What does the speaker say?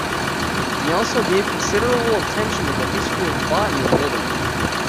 He also gave considerable attention to the history of botany in Italy.